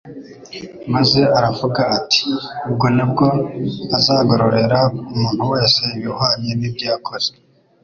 Maze aravuga ati:" Ubwo nibwo azagororera umuntu wese ibihwanye n'ibyo yakoze"